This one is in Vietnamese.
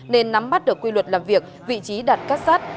nên nắm bắt được quy luật làm việc vị trí đặt kết sát